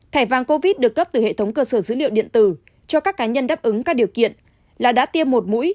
thẻ vàng covid được cấp từ hệ thống cơ sở dữ liệu điện tử cho các cá nhân đáp ứng các điều kiện là đã tiêm một mũi